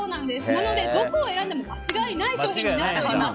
なので、どこを選んでも間違いない商品になっています。